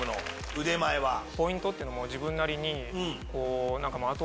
ポイントっていうのも自分なりに。